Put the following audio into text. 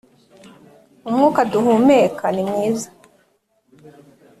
umwuka duhumeka nimwiza